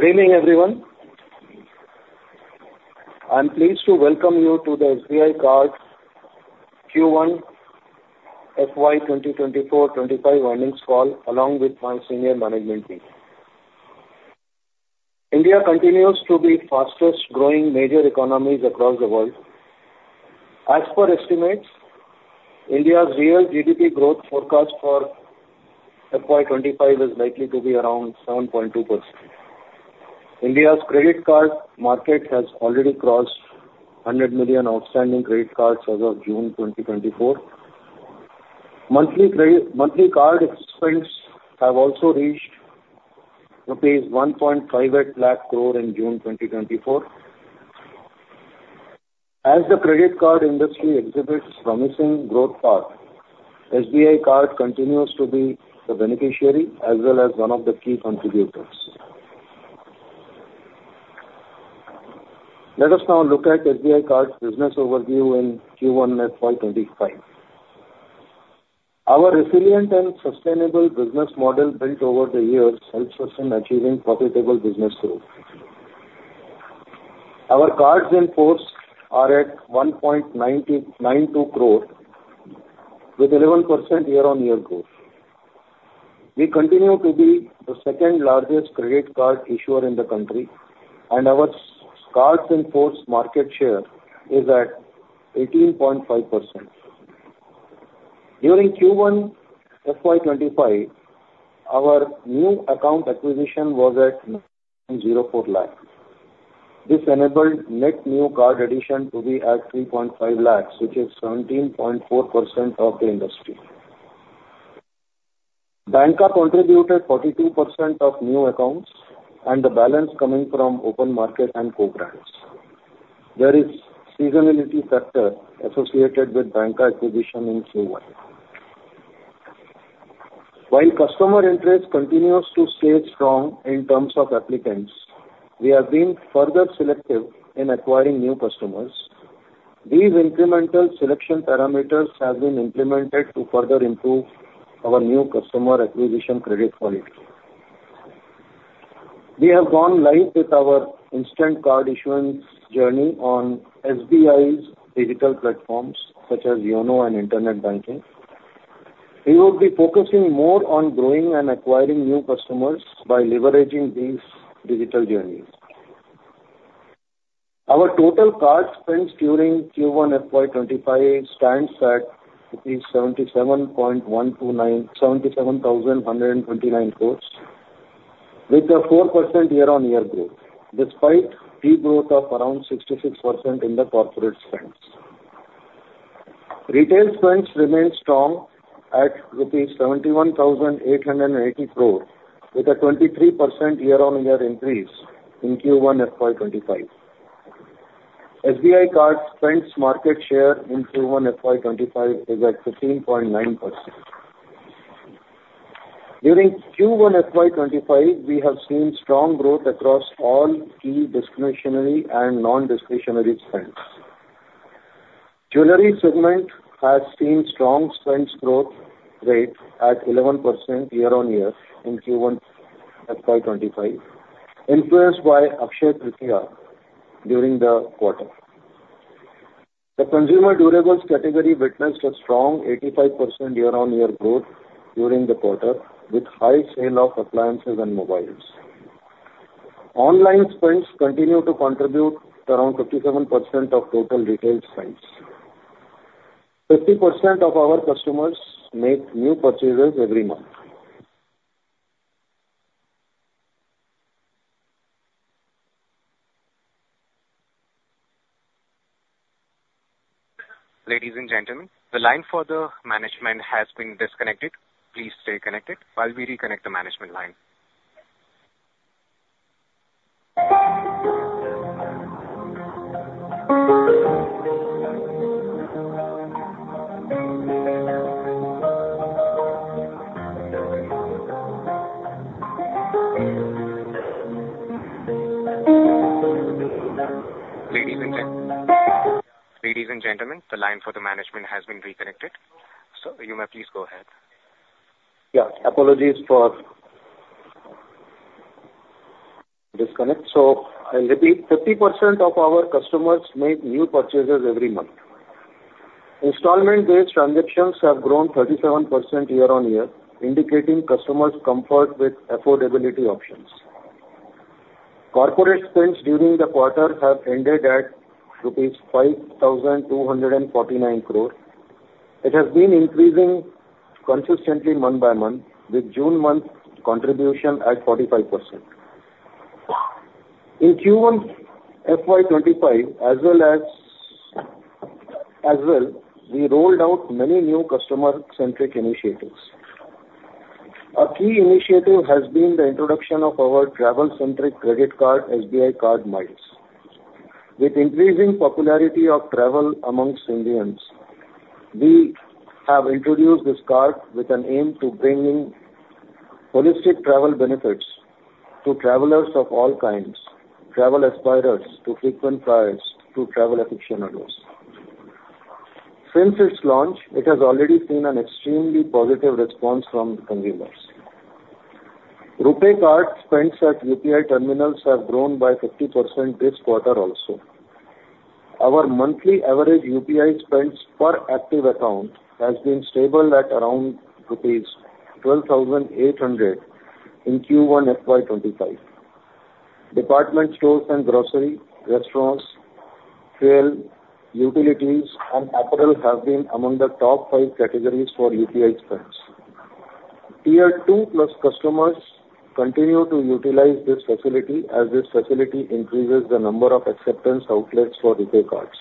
Good evening, everyone. I'm pleased to welcome you to the SBI Card Q1 FY 2024-2025 earnings call, along with my senior management team. India continues to be fastest growing major economies across the world. As per estimates, India's real GDP growth forecast for FY 2025 is likely to be around 7.2%. India's credit card market has already crossed 100 million outstanding credit cards as of June 2024. Monthly card spends have also reached rupees 158,000 crore in June 2024. As the credit card industry exhibits promising growth path, SBI Card continues to be the beneficiary as well as one of the key contributors. Let us now look at SBI Card's business overview in Q1 FY 2025. Our resilient and sustainable business model built over the years, helps us in achieving profitable business growth. Our cards in force are at 1.992 crore, with 11% year-on-year growth. We continue to be the second largest credit card issuer in the country, and our cards in force market share is at 18.5%. During Q1 FY 2025, our new account acquisition was at 9.04 lakh. This enabled net new card addition to be at 3.5 lakhs, which is 17.4% of the industry. Banca contributed 42% of new accounts and the balance coming from open market and co-brands. There is seasonality factor associated with Banca acquisition in Q1. While customer interest continues to stay strong in terms of applicants, we have been further selective in acquiring new customers. These incremental selection parameters have been implemented to further improve our new customer acquisition credit quality. We have gone live with our instant card issuance journey on SBI's digital platforms, such as YONO and internet banking. We will be focusing more on growing and acquiring new customers by leveraging these digital journeys. Our total card spends during Q1 FY 2025 stands at rupees 77,129 crores, with a 4% year-on-year growth, despite key growth of around 66% in the corporate spends. Retail spends remain strong at rupees 71,880 crore, with a 23% year-on-year increase in Q1 FY 2025. SBI Card spends market share in Q1 FY 2025 is at 15.9%. During Q1 FY 2025, we have seen strong growth across all key discretionary and non-discretionary spends. Jewelry segment has seen strong spends growth rate at 11% year-on-year in Q1 FY 2025, influenced by Akshaya Tritiya during the quarter. The consumer durables category witnessed a strong 85% year-on-year growth during the quarter, with high sales of appliances and mobiles. Online spends continue to contribute around 57% of total retail spends. 50% of our customers make new purchases every month. Ladies and gentlemen, the line for the management has been disconnected. Please stay connected while we reconnect the management line. Ladies and gentlemen, the line for the management has been reconnected, so you may please go ahead. Yeah. Apologies for disconnect. So I'll repeat: 50% of our customers make new purchases every month. Installment-based transactions have grown 37% year-on-year, indicating customers' comfort with affordability options. Corporate spends during the quarter have ended at rupees 5,249 crore. It has been increasing consistently month by month, with June month contribution at 45%. In Q1 FY 2025 as well as, as well, we rolled out many new customer-centric initiatives. A key initiative has been the introduction of our travel-centric credit card, SBI Card MILES. With increasing popularity of travel amongst Indians, we have introduced this card with an aim to bringing holistic travel benefits to travelers of all kinds, travel aspirers to frequent flyers to travel aficionados.... Since its launch, it has already seen an extremely positive response from the consumers. RuPay Card spends at UPI terminals have grown by 50% this quarter also. Our monthly average UPI spends per active account has been stable at around rupees 12,800 in Q1 FY 2025. Department stores and grocery, restaurants, fuel, utilities, and apparel have been among the top five categories for UPI spends. Tier two plus customers continue to utilize this facility, as this facility increases the number of acceptance outlets for RuPay cards.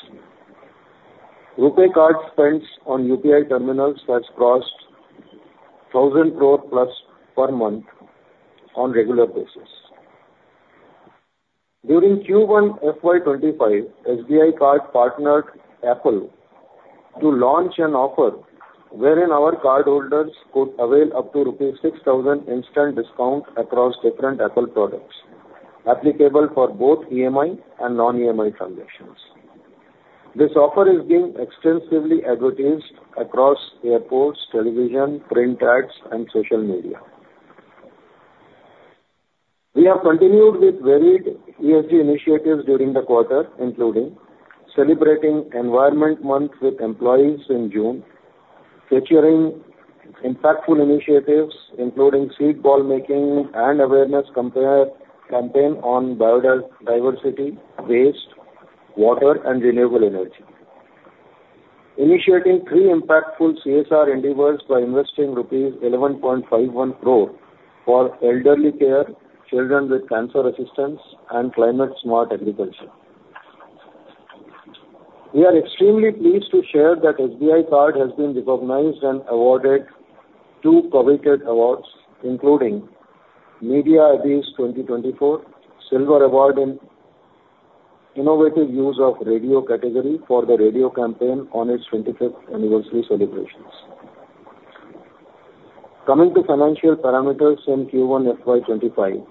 RuPay card spends on UPI terminals has crossed 1,000 crore+ per month on regular basis. During Q1 FY 2025, SBI Card partnered Apple to launch an offer wherein our cardholders could avail up to 6,000 rupees instant discount across different Apple products, applicable for both EMI and non-EMI transactions. This offer is being extensively advertised across airports, television, print ads, and social media. We have continued with varied ESG initiatives during the quarter, including celebrating Environment Month with employees in June, featuring impactful initiatives including seed ball making and awareness campaign on biodiversity, waste, water, and renewable energy. Initiating three impactful CSR endeavors by investing rupees 11.51 crore for elderly care, children with cancer assistance, and climate-smart agriculture. We are extremely pleased to share that SBI Card has been recognized and awarded two coveted awards, including Media Abbys 2024 Silver Award in Innovative Use of Radio category for the radio campaign on its 25th anniversary celebrations. Coming to financial parameters in Q1 FY 2025,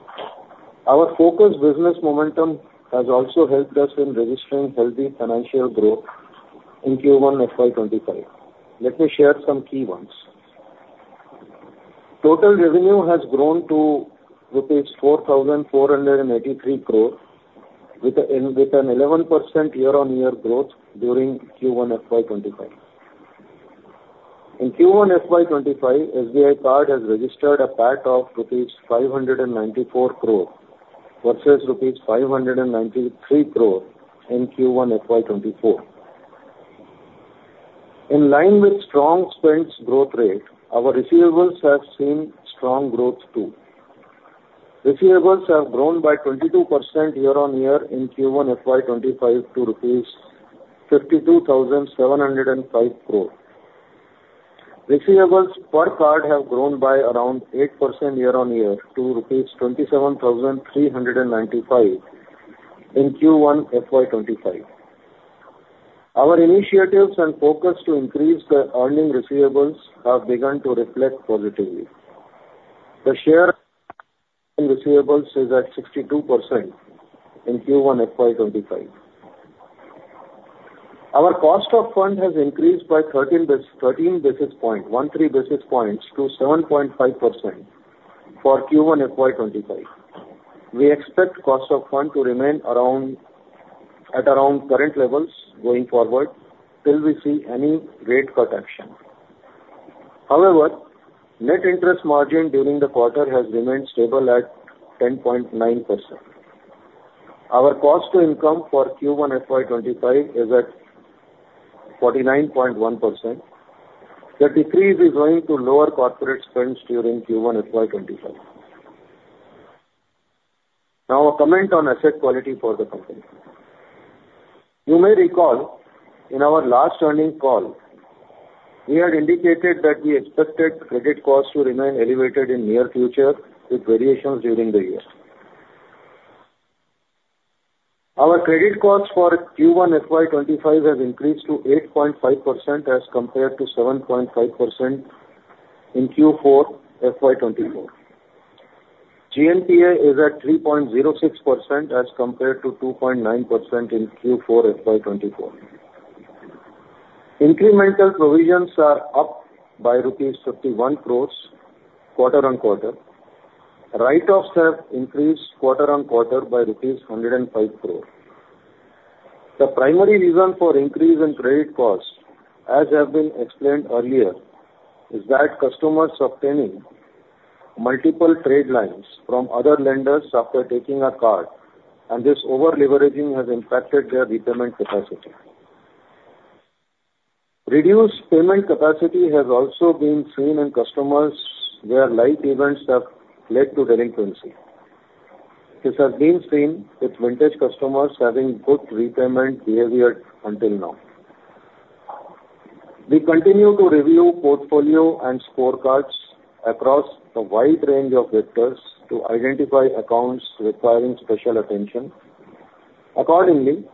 our focused business momentum has also helped us in registering healthy financial growth in Q1 FY 2025. Let me share some key ones. Total revenue has grown to rupees 4,483 crore, with an 11% year-over-year growth during Q1 FY 2025. In Q1 FY 2025, SBI Card has registered a PAT of 594 crore rupees versus 593 crore rupees in Q1 FY 2024. In line with strong spends growth rate, our receivables have seen strong growth, too. Receivables have grown by 22% year-over-year in Q1 FY 2025 to rupees 52,705 crore. Receivables per card have grown by around 8% year-over-year to rupees 27,395 in Q1 FY 2025. Our initiatives and focus to increase the earning receivables have begun to reflect positively. The share in receivables is at 62% in Q1 FY 2025. Our cost of fund has increased by 13 basis point, 13 basis points to 7.5% for Q1 FY2025. We expect cost of fund to remain around, at around current levels going forward, till we see any rate cut action. However, net interest margin during the quarter has remained stable at 10.9%. Our cost to income for Q1 FY 2025 is at 49.1%. The decrease is going to lower corporate spends during Q1 FY 2025. Now, a comment on asset quality for the company. You may recall, in our last earnings call, we had indicated that we expected credit costs to remain elevated in near future with variations during the year. Our credit costs for Q1 FY 2025 has increased to 8.5%, as compared to 7.5% in Q4 FY 2024. GNPA is at 3.06%, as compared to 2.9% in Q4 FY 2024. Incremental provisions are up by INR 51 crore, quarter-on-quarter. Write-offs have increased quarter-on-quarter by rupees 105 crore. The primary reason for increase in credit costs, as have been explained earlier, is that customers obtaining multiple tradelines from other lenders after taking a card, and this over-leveraging has impacted their repayment capacity. Reduced payment capacity has also been seen in customers where life events have led to delinquency. This has been seen with vintage customers having good repayment behavior until now. We continue to review portfolio and scorecards across a wide range of vectors to identify accounts requiring special attention. Accordingly,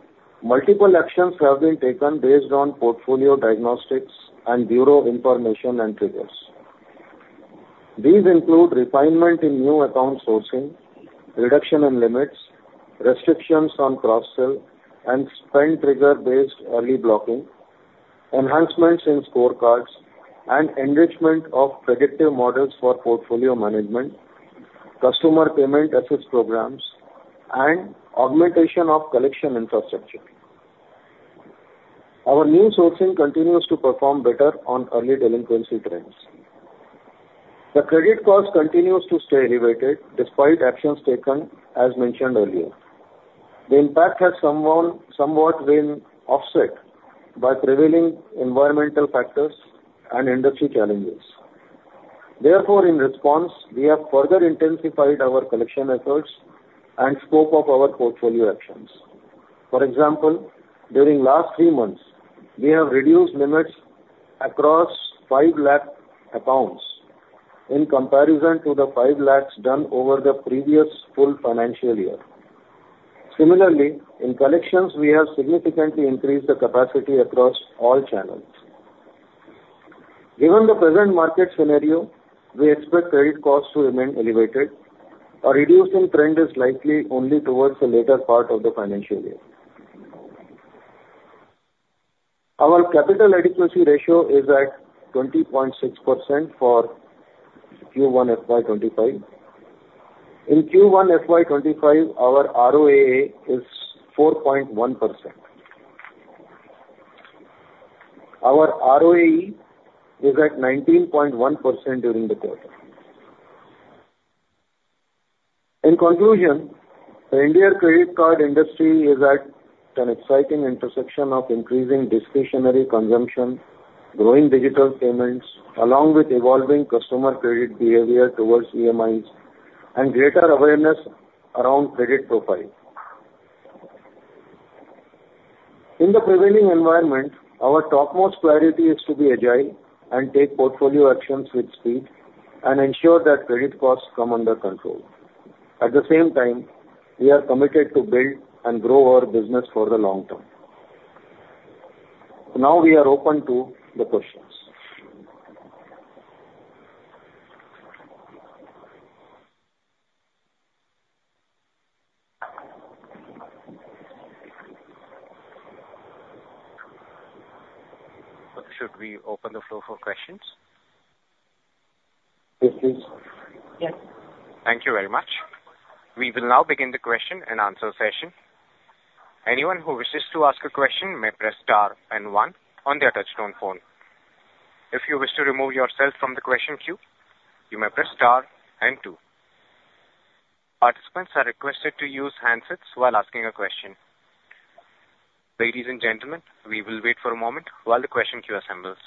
multiple actions have been taken based on portfolio diagnostics and bureau information and triggers. These include refinement in new account sourcing, reduction in limits, restrictions on cross-sell, and spend trigger-based early blocking, enhancements in scorecards, and enrichment of predictive models for portfolio management, customer payment assistance programs, and augmentation of collection infrastructure. Our new sourcing continues to perform better on early delinquency trends. The credit cost continues to stay elevated despite actions taken, as mentioned earlier. The impact has somewhat been offset by prevailing environmental factors and industry challenges. Therefore, in response, we have further intensified our collection efforts and scope of our portfolio actions. For example, during last three months, we have reduced limits across 5 lakh accounts in comparison to the 5 lakhs done over the previous full financial year. Similarly, in collections, we have significantly increased the capacity across all channels. Given the present market scenario, we expect credit costs to remain elevated. A reducing trend is likely only towards the later part of the financial year. Our Capital Adequacy Ratio is at 20.6% for Q1 FY 2025. In Q1 FY 2025, our ROAA is 4.1%. Our ROE is at 19.1% during the quarter. In conclusion, the India credit card industry is at an exciting intersection of increasing discretionary consumption, growing digital payments, along with evolving customer credit behavior towards EMIs, and greater awareness around credit profile. In the prevailing environment, our topmost priority is to be agile and take portfolio actions with speed and ensure that credit costs come under control. At the same time, we are committed to build and grow our business for the long term. Now, we are open to the questions. Should we open the floor for questions? Yes, please. Yes. Thank you very much. We will now begin the question and answer session. Anyone who wishes to ask a question may press star and one on their touchtone phone. If you wish to remove yourself from the question queue, you may press star and two. Participants are requested to use handsets while asking a question. Ladies and gentlemen, we will wait for a moment while the question queue assembles.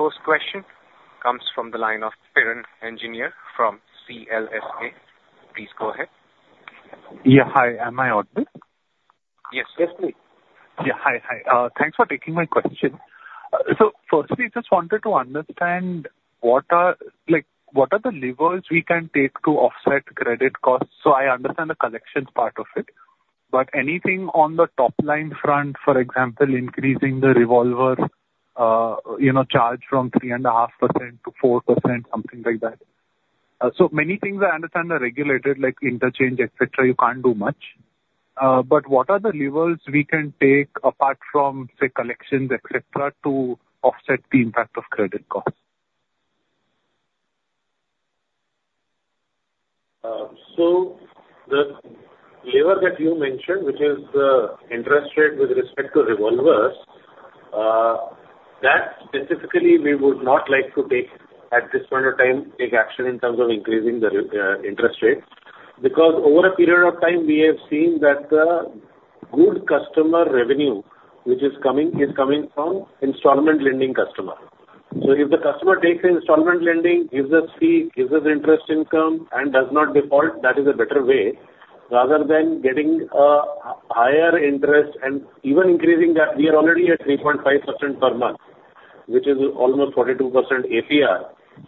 The first question comes from the line of Piran Engineer from CLSA. Please go ahead. Yeah. Hi, am I audible? Yes. Yes, please. Yeah. Hi. Thanks for taking my question. So firstly, just wanted to understand what are, like, what are the levers we can take to offset credit costs? So I understand the collections part of it, but anything on the top-line front, for example, increasing the revolver, you know, charge from 3.5%-4%, something like that. So many things I understand are regulated, like interchange, et cetera, you can't do much. But what are the levers we can take apart from, say, collections, et cetera, to offset the impact of credit costs? So the lever that you mentioned, which is the interest rate with respect to revolvers, that specifically we would not like to take at this point of time, take action in terms of increasing the interest rate. Because over a period of time, we have seen that the good customer revenue, which is coming, is coming from installment lending customer. So if the customer takes the installment lending, gives us fee, gives us interest income and does not default, that is a better way, rather than getting a higher interest and even increasing that, we are already at 3.5% per month, which is almost 42% APR.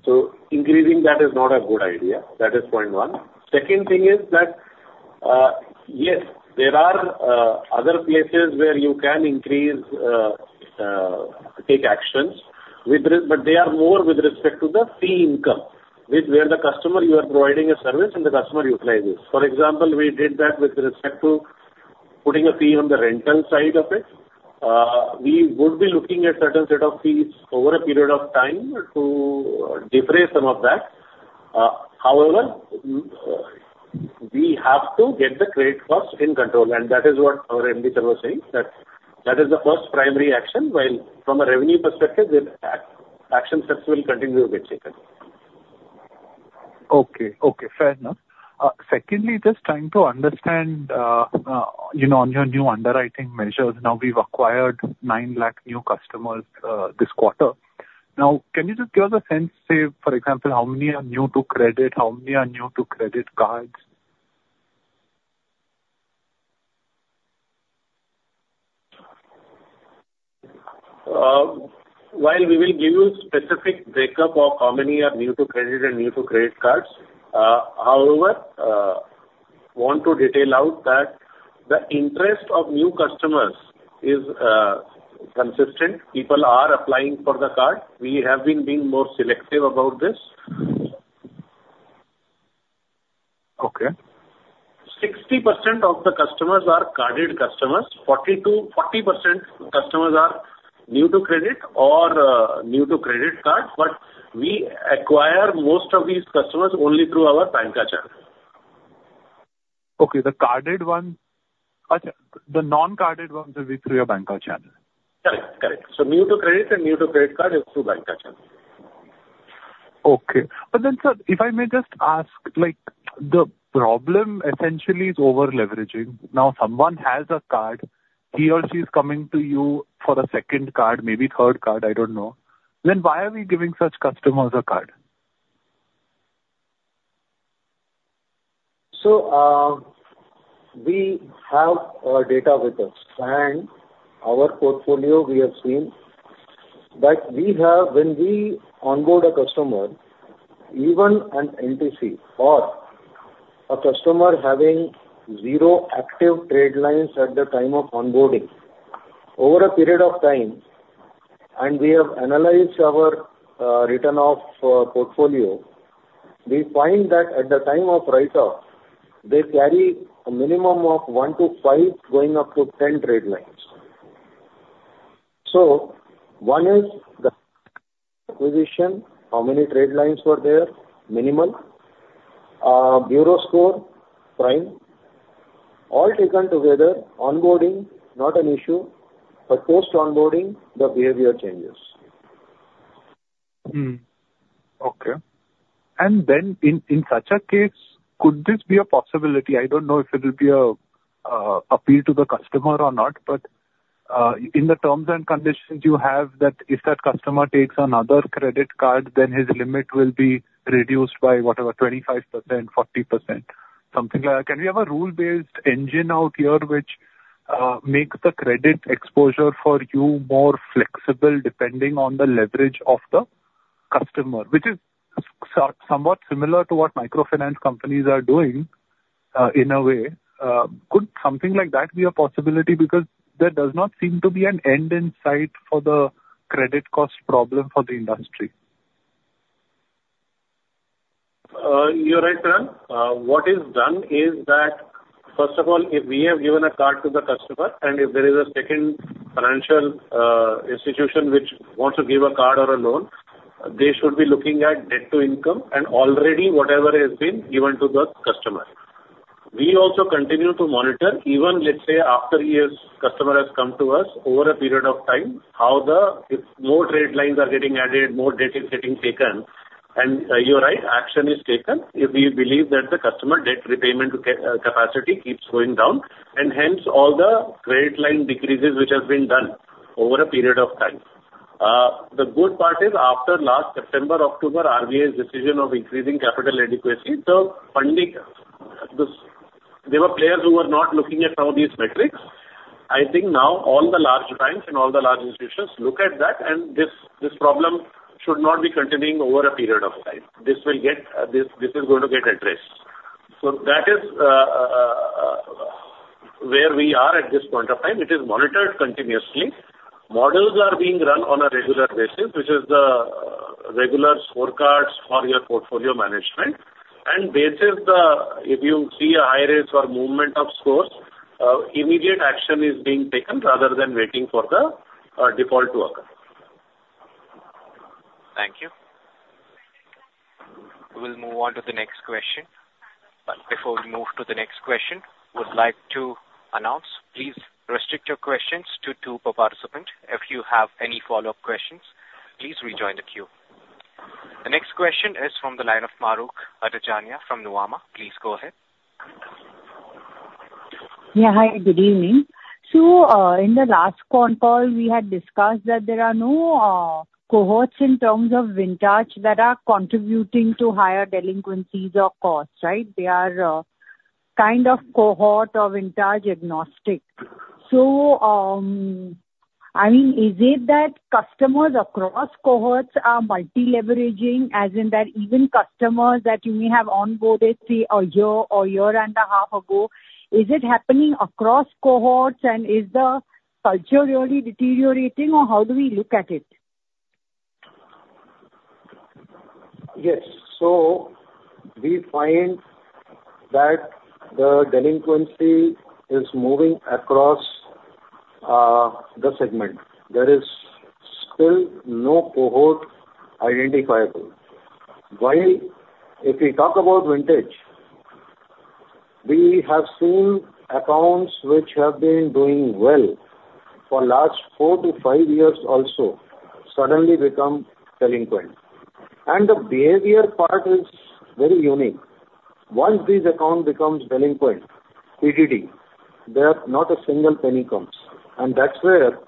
So increasing that is not a good idea. That is point one. Second thing is that, yes, there are other places where you can increase, take actions with respect, but they are more with respect to the fee income, which where the customer you are providing a service and the customer utilizes. For example, we did that with respect to putting a fee on the rental side of it. We would be looking at certain set of fees over a period of time to defray some of that. However, we have to get the credit costs in control, and that is what our MD sir was saying, that that is the first primary action, while from a revenue perspective, the action steps will continue to be taken. Okay. Okay, fair enough. Secondly, just trying to understand, you know, on your new underwriting measures. Now, we've acquired 900,000 new customers this quarter. Now, can you just give us a sense, say, for example, how many are new to credit? How many are new to credit cards?... While we will give you specific breakup of how many are new to credit and new to credit cards, however, want to detail out that the interest of new customers is, consistent. People are applying for the card. We have been being more selective about this. Okay. 60% of the customers are carded customers. 40%-40% customers are new to credit or new to credit cards, but we acquire most of these customers only through our Banca channel. Okay, the non-carded ones will be through your Banca channel? Correct, correct. New to credit and new to credit card is through Banca channel. Okay. But then, sir, if I may just ask, like, the problem essentially is over-leveraging. Now, someone has a card, he or she is coming to you for a second card, maybe third card, I don't know, then why are we giving such customers a card? So, we have our data with us, and our portfolio, we have seen that we have. When we onboard a customer, even an NPC or a customer having zero active tradelines at the time of onboarding, over a period of time, and we have analyzed our return of portfolio, we find that at the time of write-off, they carry a minimum of 1-5, going up to 10 tradelines. So one is the acquisition, how many tradelines were there, minimal bureau score, prime. All taken together, onboarding, not an issue, but post-onboarding, the behavior changes. Hmm. Okay. And then in such a case, could this be a possibility? I don't know if it will be a appeal to the customer or not, but in the terms and conditions you have, that if that customer takes another credit card, then his limit will be reduced by, whatever, 25%, 40%, something like that. Can we have a rule-based engine out here which makes the credit exposure for you more flexible depending on the leverage of the customer, which is somewhat similar to what microfinance companies are doing, in a way. Could something like that be a possibility? Because there does not seem to be an end in sight for the credit cost problem for the industry. You're right, Piran. What is done is that, first of all, if we have given a card to the customer, and if there is a second financial institution which wants to give a card or a loan, they should be looking at debt to income and already whatever has been given to the customer. We also continue to monitor, even, let's say, after years, customer has come to us over a period of time, how the, if more tradelines are getting added, more debt is getting taken. And you're right, action is taken. If we believe that the customer debt repayment capacity keeps going down, and hence all the credit line decreases, which has been done over a period of time. The good part is after last September, October, RBI's decision of increasing capital adequacy, the funding, this—there were players who were not looking at how these metrics. I think now all the large banks and all the large institutions look at that, and this, this problem should not be continuing over a period of time. This will get, this, this is going to get addressed. So that is, where we are at this point of time. It is monitored continuously. Models are being run on a regular basis, which is the, regular scorecards for your portfolio management, and this is the. If you see a high risk or movement of scores, immediate action is being taken rather than waiting for the, default to occur. Thank you. We will move on to the next question. But before we move to the next question, would like to announce, please restrict your questions to two per participant. If you have any follow-up questions, please rejoin the queue. The next question is from the line of Mahrukh Adajania from Nomura. Please go ahead. Yeah, hi, good evening. So, in the last call we had discussed that there are no cohorts in terms of vintage that are contributing to higher delinquencies or costs, right? They are kind of cohort or vintage agnostic. So, I mean, is it that customers across cohorts are multi-leveraging, as in that even customers that you may have onboarded, say, a year or a year and a half ago, is it happening across cohorts, and is the culture really deteriorating, or how do we look at it? Yes. We find that the delinquency is moving across the segment. There is still no cohort identifiable. While if we talk about vintage, we have seen accounts which have been doing well for last 4 years -5 years also suddenly become delinquent. And the behavior part is very unique. Once this account becomes delinquent, [PDD], there's not a single penny comes. And that's where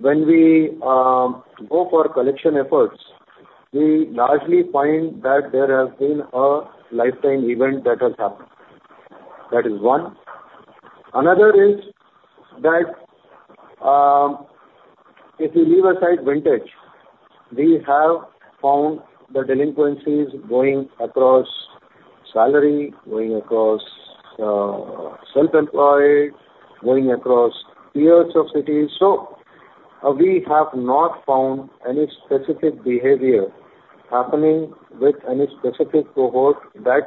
when we go for collection efforts, we largely find that there has been a lifetime event that has happened. That is one. Another is that, if you leave aside vintage, we have found the delinquencies going across salary, going across self-employed, going across tiers of cities. So we have not found any specific behavior happening with any specific cohort that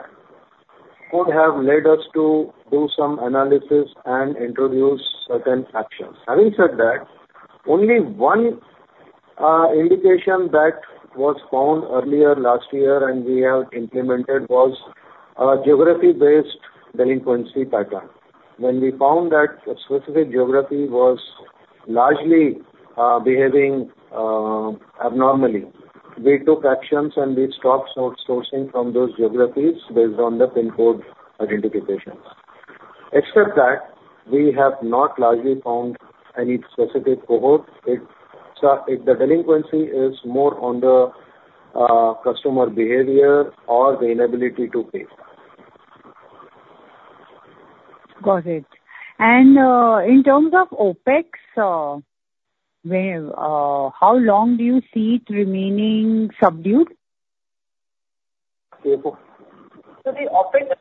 could have led us to do some analysis and introduce certain actions. Having said that, only one indication that was found earlier last year and we have implemented was a geography-based delinquency pattern. When we found that a specific geography was largely behaving abnormally, we took actions, and we stopped sourcing from those geographies based on the pin code identifications. Except that, we have not largely found any specific cohort. So if the delinquency is more on the customer behavior or the inability to pay. Got it. In terms of OpEx, how long do you see it remaining subdued? CFO? So the OpEx,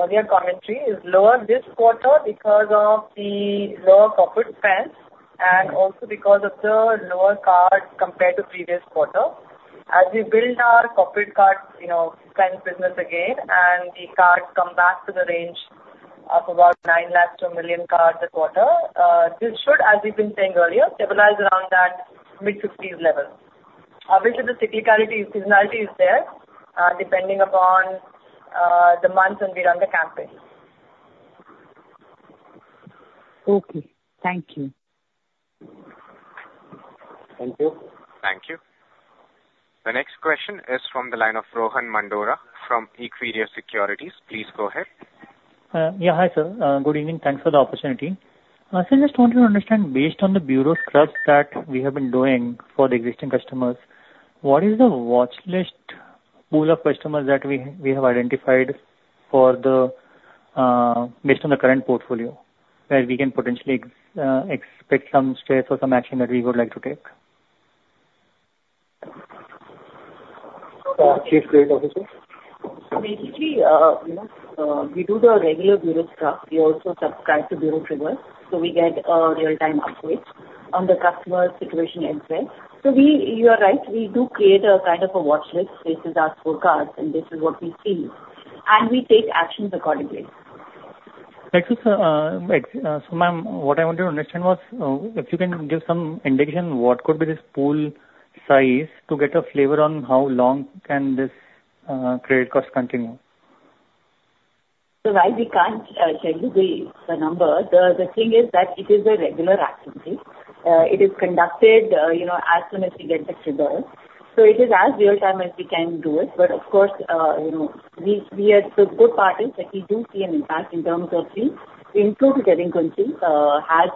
earlier commentary is lower this quarter because of the lower corporate spend, and also because of the lower cards compared to previous quarter. As we build our corporate cards, you know, spend business again, and the cards come back to the range of about 9 lakh -1 million cards a quarter, this should, as we've been saying earlier, stabilize around that mid-60s level. Obviously, the cyclicality, seasonality is there, depending upon the months when we run the campaign. Okay, thank you. Thank you. Thank you. The next question is from the line of Rohan Mandora from Equirus Securities. Please go ahead. Yeah, hi, sir. Good evening. Thanks for the opportunity. I still just want to understand, based on the bureau scrubs that we have been doing for the existing customers, what is the watchlist pool of customers that we, we have identified for the, based on the current portfolio, where we can potentially expect some stress or some action that we would like to take? Chief Credit Officer? Basically, you know, we do the regular bureau scrub. We also subscribe to Bureau Triggers, so we get real-time updates on the customer situation as well. So we... You are right, we do create a kind of a Watchlist. This is our Scorecards, and this is what we see, and we take actions accordingly. Thank you, sir. So, ma'am, what I wanted to understand was, if you can give some indication, what could be this pool size, to get a flavor on how long can this credit cost continue? So while we can't tell you the number, the thing is that it is a regular activity. It is conducted, you know, as soon as we get the trigger. So it is as real-time as we can do it. But of course, you know, we are... The good part is that we do see an impact in terms of the improved delinquency has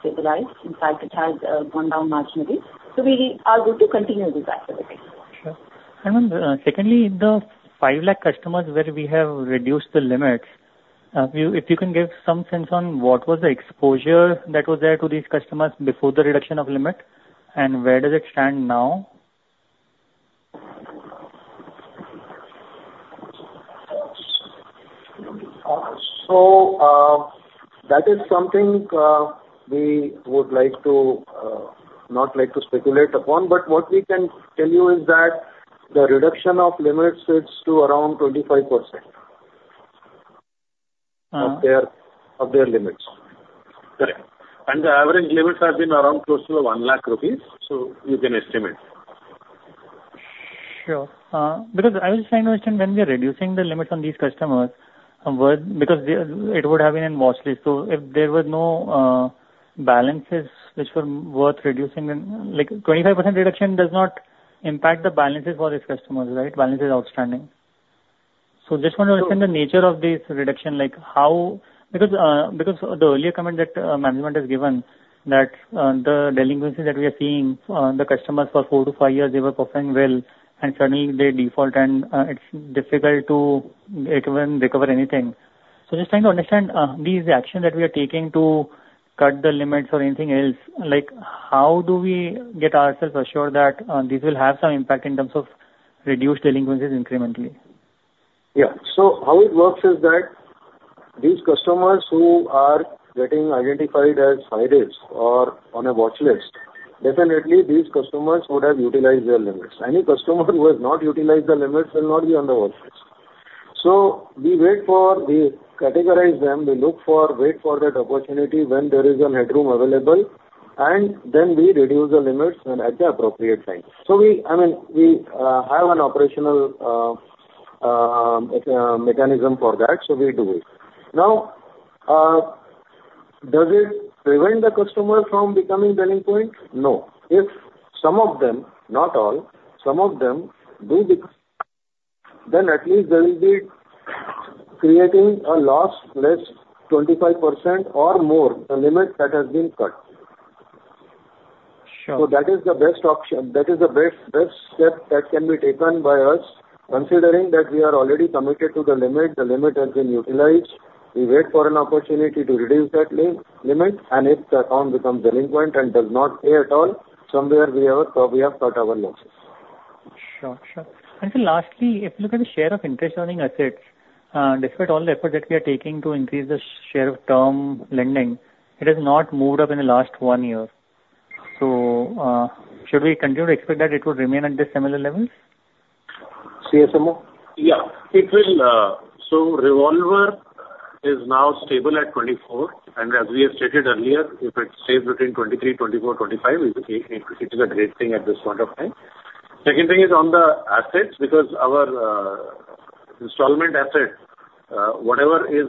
stabilized. In fact, it has gone down marginally. So we are good to continue this activity. Sure. And, secondly, the 5 lakh customers where we have reduced the limits, if you can give some sense on what was the exposure that was there to these customers before the reduction of limit, and where does it stand now? So, that is something, we would like to, not like to speculate upon. But what we can tell you is that the reduction of limits is to around 25%. Uh. of their limits. Correct. The average limits have been around close to 1 lakh rupees, so you can estimate. Sure. Because I was trying to understand, when we are reducing the limits on these customers, because it would have been in watchlist. So if there were no, balances which were worth reducing, then, like, 25% reduction does not impact the balances for these customers, right? Balance is outstanding. So just want to understand the nature of this reduction, like how. Because, because of the earlier comment that, management has given, that, the delinquencies that we are seeing, the customers for 4 years- 5 years, they were performing well, and suddenly they default, and, it's difficult to even recover anything. So just trying to understand, these actions that we are taking to cut the limits or anything else, like, how do we get ourselves assured that, this will have some impact in terms of reduced delinquencies incrementally? Yeah. So how it works is that, these customers who are getting identified as high risk or on a watchlist, definitely these customers would have utilized their limits. Any customer who has not utilized the limits will not be on the watchlist. So we wait for... We categorize them, we look for that opportunity when there is a headroom available, and then we reduce the limits when at the appropriate time. So we, I mean, we have an operational mechanism for that, so we do it. Now, does it prevent the customer from becoming delinquent? No. If some of them, not all, some of them do the-... then at least there will be creating a loss less 25% or more, the limit that has been cut. Sure. So that is the best option. That is the best, best step that can be taken by us, considering that we are already committed to the limit, the limit has been utilized. We wait for an opportunity to reduce that limit, and if the account becomes delinquent and does not pay at all, somewhere we have, we have cut our losses. Sure, sure. Lastly, if you look at the share of interest earning assets, despite all the effort that we are taking to increase the share of term lending, it has not moved up in the last one year. Should we continue to expect that it will remain at this similar level? CSMO? Yeah. It will, so revolver is now stable at 24%, and as we have stated earlier, if it stays between 23%-25%, it is a great thing at this point of time. Second thing is on the assets, because our installment asset, whatever is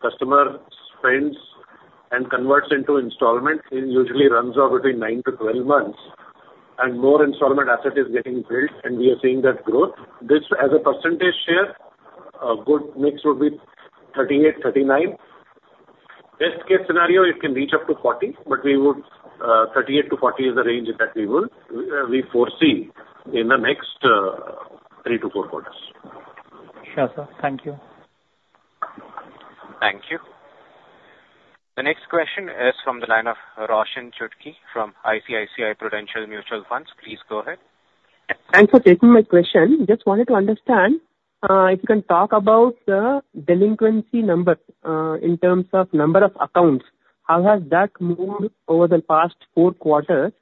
customer spends and converts into installments, it usually runs off between 9-12 months, and more installment asset is getting built, and we are seeing that growth. This as a percentage share, a good mix would be 38%, 39%. Best case scenario, it can reach up to 40%, but we would, 38%-40% is the range that we will, we foresee in the next 3-4 quarters. Sure, sir. Thank you. Thank you. The next question is from the line of Roshan Chutkey from ICICI Prudential Mutual Funds. Please go ahead. Thanks for taking my question. Just wanted to understand if you can talk about the delinquency numbers in terms of number of accounts, how has that moved over the past four quarters?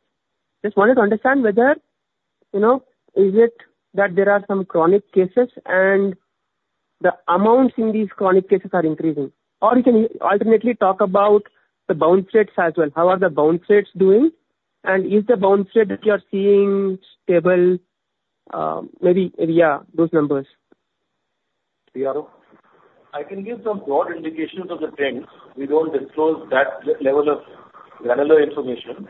Just wanted to understand whether, you know, is it that there are some chronic cases and the amounts in these chronic cases are increasing? Or you can alternately talk about the bounce rates as well. How are the bounce rates doing, and is the bounce rate that you are seeing stable? Maybe, yeah, those numbers. CRO? I can give some broad indications of the trends. We don't disclose that level of granular information.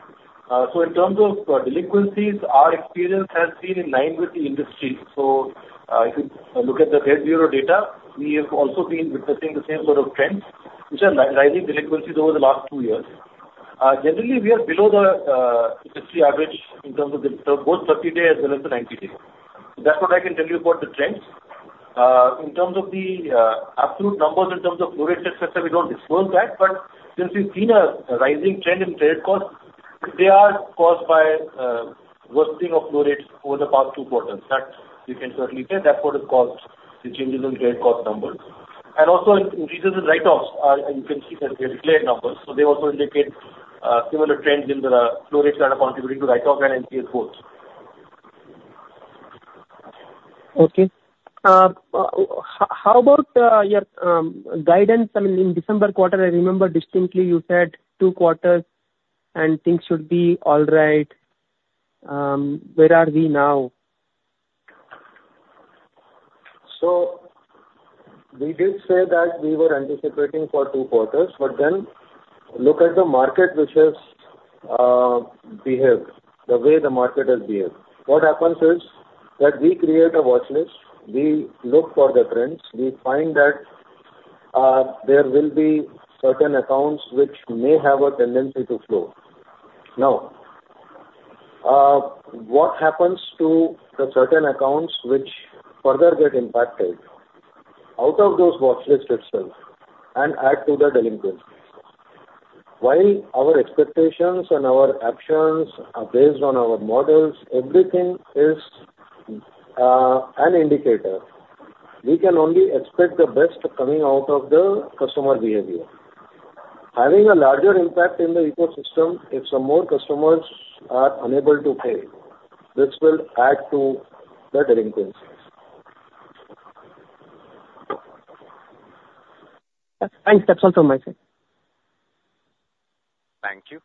So in terms of delinquencies, our experience has been in line with the industry. So if you look at the credit bureau data, we have also been witnessing the same sort of trends, which are rising delinquencies over the last 2 years. Generally, we are below the industry average in terms of the both 30-day as well as the 90-day. That's what I can tell you about the trends. In terms of the absolute numbers, in terms of loss rate etc., we don't disclose that, but since we've seen a rising trend in credit costs, they are caused by worsening of loss rates over the past 2 quarters. That we can certainly say. That's what has caused the changes in credit cost numbers. Also, increases in write-offs are, you can see, delinquent numbers, so they also indicate similar trends in the loss rates that are contributing to write-off and NPLs growth. Okay. How about your guidance? I mean, in December quarter, I remember distinctly you said two quarters and things should be all right. Where are we now? So we did say that we were anticipating for 2 quarters, but then look at the market, which has behaved, the way the market has behaved. What happens is, that we create a watchlist, we look for the trends, we find that, there will be certain accounts which may have a tendency to flow. Now, what happens to the certain accounts which further get impacted out of those watchlist itself and add to the delinquencies? While our expectations and our actions are based on our models, everything is, an indicator. We can only expect the best coming out of the customer behavior. Having a larger impact in the ecosystem, if some more customers are unable to pay, this will add to the delinquencies. Thanks. That's all from my side. Thank you.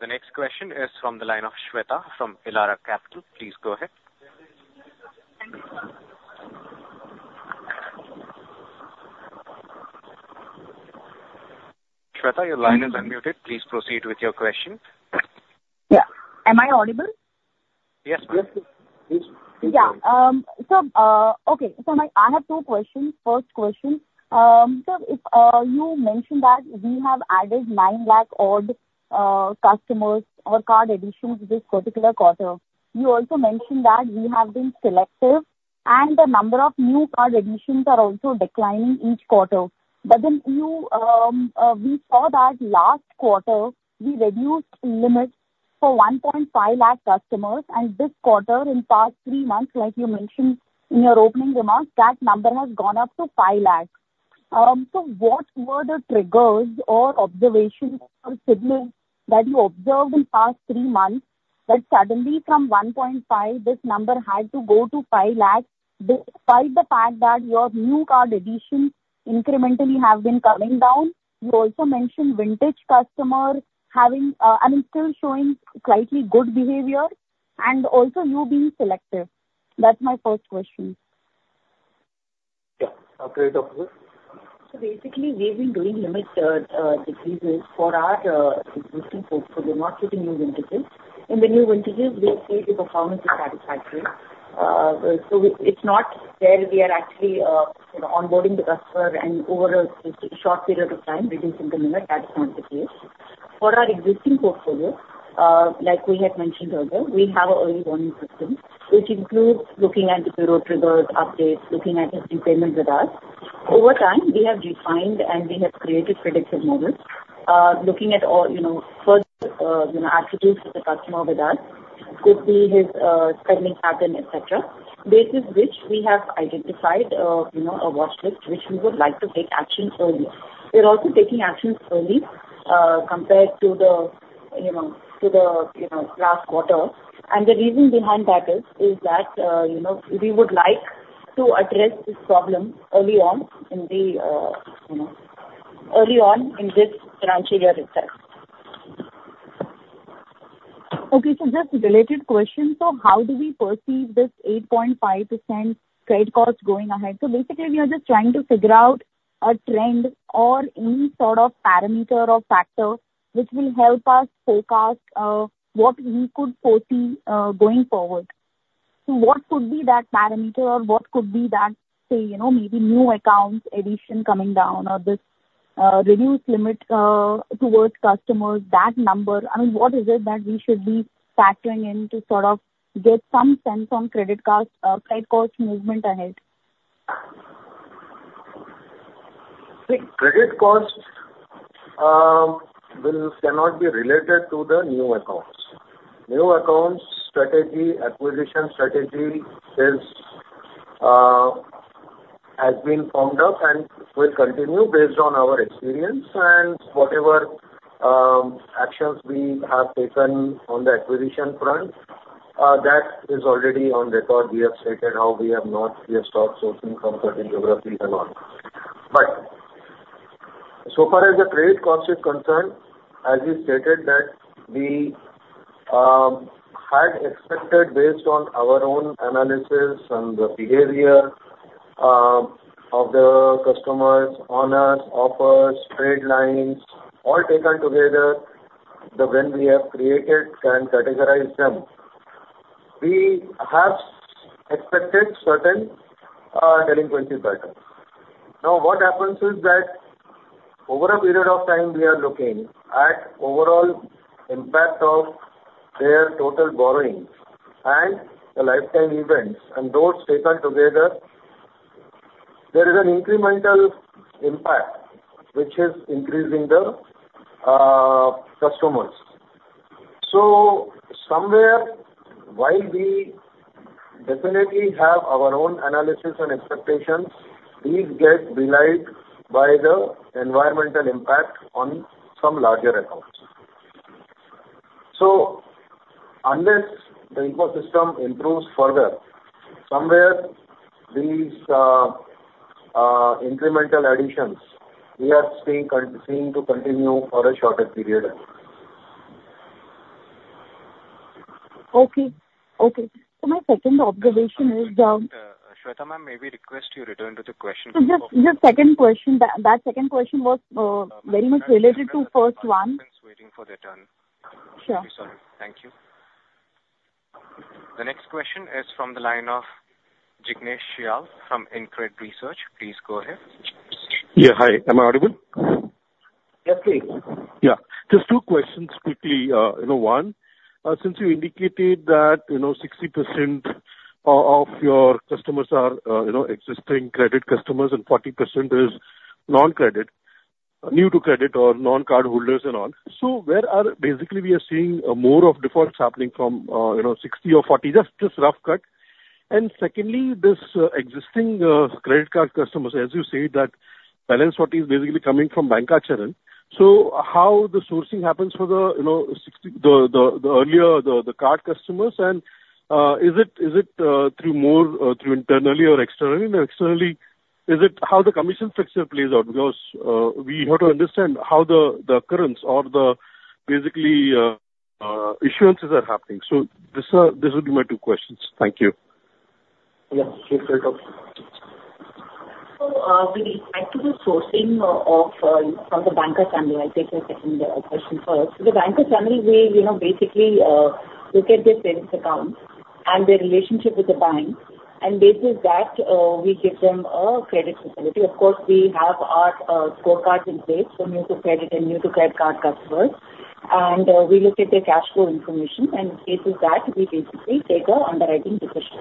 The next question is from the line of Shweta from Elara Capital. Please go ahead. Shweta, your line is unmuted. Please proceed with your question. Yeah. Am I audible? Yes, ma'am. Yes, please. Yeah, so... Okay, so I have two questions. First question, so if you mentioned that we have added 9 lakh-odd customers or card additions this particular quarter. You also mentioned that we have been selective, and the number of new card additions are also declining each quarter. But then we saw that last quarter, we reduced limits for 1.5 lakh customers, and this quarter, in past three months, like you mentioned in your opening remarks, that number has gone up to 5 lakhs. So what were the triggers or observations or signals that you observed in past three months, that suddenly from 1.5 lakh, this number had to go to 5 lakhs, despite the fact that your new card additions incrementally have been coming down? You also mentioned vintage customer having, I mean, still showing slightly good behavior and also you being selective. That's my first question.... Yeah. Okay, Nandini. So basically, we've been doing limit decreases for our existing folks, so they're not getting new vintages. In the new vintages, we see the performance is satisfactory. So it, it's not where we are actually, you know, onboarding the customer and over a short period of time, reducing the limit. That is not the case. For our existing portfolio, like we had mentioned earlier, we have an early warning system, which includes looking at the bureau triggers, updates, looking at his repayments with us. Over time, we have refined and we have created predictive models, looking at all, you know, first, you know, attributes of the customer with us could be his spending pattern, et cetera. Basis which we have identified, you know, a watch list, which we would like to take action early. We are also taking actions early, compared to the, you know, last quarter. The reason behind that is that, you know, we would like to address this problem early on in the, you know, early on in this financial year itself. Okay, so just a related question: so how do we perceive this 8.5% credit cost going ahead? So basically, we are just trying to figure out a trend or any sort of parameter or factor which will help us forecast, what we could foresee, going forward. So what could be that parameter, or what could be that, say, you know, maybe new accounts addition coming down or this, reduced limit, towards customers, that number? I mean, what is it that we should be factoring in to sort of get some sense on credit cost, credit cost movement ahead? See, credit cost will not be related to the new accounts. New accounts strategy, acquisition strategy has been formed up and will continue based on our experience and whatever actions we have taken on the acquisition front, that is already on record. We have stated how we have stopped sourcing from certain geographies and all. But so far as the credit cost is concerned, as we stated that we had expected based on our own analysis and the behavior of the customers on our, of our tradelines, all taken together, then when we have created and categorized them, we have expected certain delinquency pattern. Now, what happens is that over a period of time, we are looking at overall impact of their total borrowings and the lifetime events, and those taken together, there is an incremental impact, which is increasing the customers. So somewhere, while we definitely have our own analysis and expectations, these get belied by the environmental impact on some larger accounts. So unless the ecosystem improves further, somewhere these incremental additions we are seeing continuing to continue for a shorter period. Okay. Okay. So my second observation is, Shweta ma'am, may we request you return to the question? So just, just second question. That, that second question was very much related to first one. Waiting for their turn. Sure. Sorry. Thank you. The next question is from the line of Jignesh Shial from InCred Research. Please go ahead. Yeah, hi. Am I audible? Yes, please. Yeah. Just two questions quickly. One, since you indicated that 60% of your customers are existing credit customers and 40% is non-credit, new to credit or non-card holders and all. So where basically we are seeing more of defaults happening from 60% or 40%, just rough cut. And secondly, this existing credit card customers, as you said, that balance what is basically coming from Banca channel. So how the sourcing happens for the 60%, the earlier the card customers, and is it through more through internally or externally? And externally, is it how the commission structure plays out? Because we have to understand how the occurrence or basically the issuances are happening. These are, this will be my two questions. Thank you. Yeah, Chief Credit Officer. So, with respect to the sourcing of, from the Banca channel, I'll take your second question first. So the Banca channel, we, you know, basically, look at their savings accounts and their relationship with the bank, and based on that, we give them a credit facility. Of course, we have our scorecards in place for new to credit and new to credit card customers, and we look at their cash flow information, and based on that, we basically take a underwriting decision.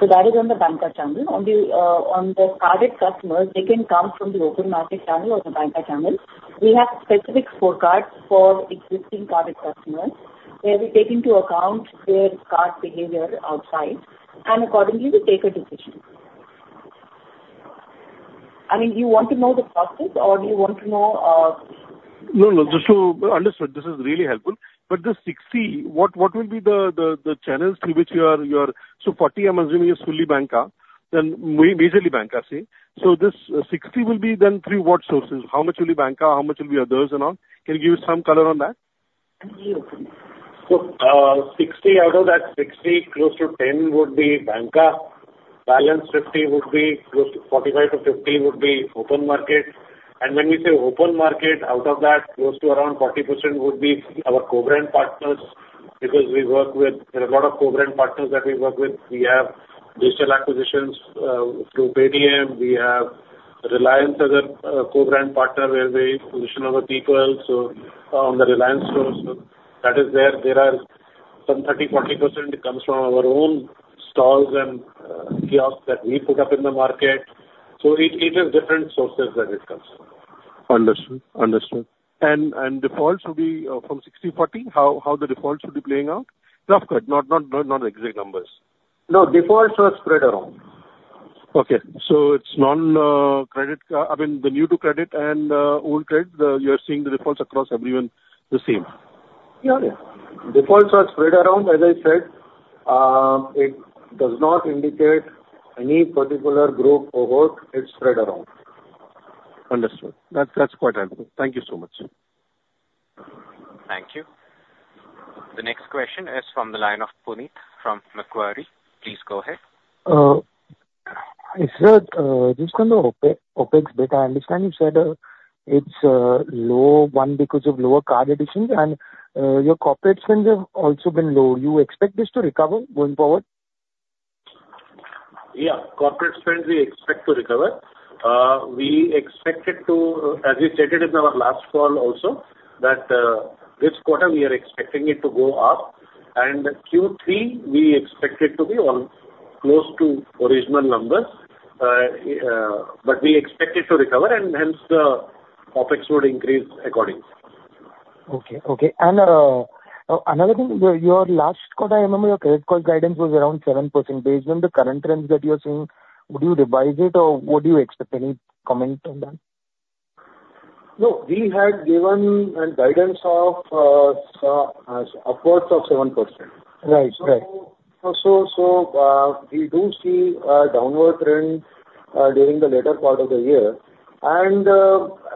So that is on the Banca channel. On the, on the carded customers, they can come from the open market channel or the Banca channel. We have specific scorecards for existing carded customers, where we take into account their card behavior outside, and accordingly, we take a decision. I mean, you want to know the process or do you want to know...? No, no, just to understand, this is really helpful. But the 60%, what will be the channels through which you are... So 40%, I'm assuming, is fully Banca, then majorly Banca, say. So this 60% will be then through what sources? How much will be Banca, how much will be others and on? Can you give some color on that? So, 60%, out of that 60%, close to 10% would be Banca. Balance 50% would be, close to 45%-50% would be open market. And when we say open market, out of that, close to around 40% would be our co-brand partners, because we work with a lot of co-brand partners that we work with. We have digital acquisitions through Paytm. We have Reliance as a co-brand partner, where they position our people. So on the Reliance stores, so that is there. There are some 30%, 40% comes from our own stalls and kiosks that we put up in the market. So it is different sources that it comes from. Understood. Understood. Defaults will be from 60/40? How the defaults will be playing out? Rough cut, not exact numbers. No, defaults are spread around. Okay. So it's non-credit, I mean, the new to credit and old credit, you are seeing the defaults across everyone the same? Yeah, yeah. Defaults are spread around. As I said, it does not indicate any particular group or cohort. It's spread around. Understood. That's, that's quite helpful. Thank you so much, sir. Thank you. The next question is from the line of Punit from Macquarie. Please go ahead. Hey, sir, just on the OpEx, OpEx data, I understand you said it's low one because of lower card additions, and your corporate spends have also been low. You expect this to recover going forward? Yeah. Corporate spends, we expect to recover. We expect it to, as we stated in our last call also, that, this quarter, we are expecting it to go up, and Q3, we expect it to be on close to original numbers. But we expect it to recover, and hence, the OpEx would increase accordingly. Okay, okay. And, another thing, your, your last quarter, I remember your credit card guidance was around 7%. Based on the current trends that you are seeing, would you revise it, or would you expect any comment on that? No, we had given a guidance of, so, as upwards of 7%. Right. Right. We do see a downward trend during the latter part of the year, and